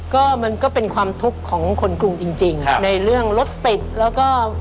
ก็มันก็เป็นความทุกข์ของคนกรุงจริงจริงครับในเรื่องรถติดแล้วก็